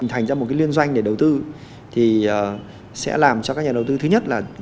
hình thành ra một liên doanh để đầu tư sẽ làm cho các nhà đầu tư thứ nhất là